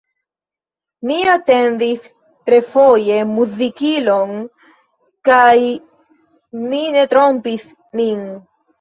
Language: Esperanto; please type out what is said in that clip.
Mi atendis refoje muzikilon kaj mi ne trompis min.